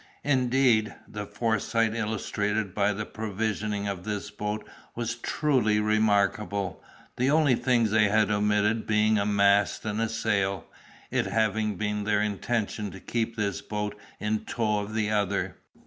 Indeed, the foresight illustrated by the provisioning of this boat was truly remarkable, the only things they had omitted being a mast and sail, it having been their intention to keep this boat in tow of the other.